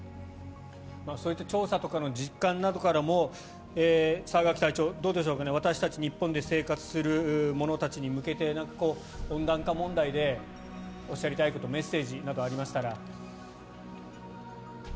そういった調査の実感とかから澤柿隊長、どうでしょうか私たち日本で生活する者たちに向けて温暖化問題でおっしゃりたいことメッセージなどありましたら。